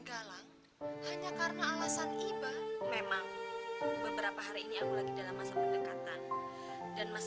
galang hanya karena alasan iba memang beberapa hari ini aku lagi dalam masa pendekatan dan mas